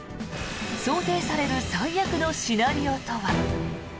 想定される最悪のシナリオとは。